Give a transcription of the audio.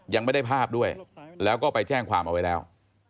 ยังไม่ได้ภาพด้วยแล้วก็ไปแจ้งความเอาไว้แล้ว